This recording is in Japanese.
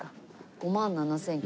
５万７０００？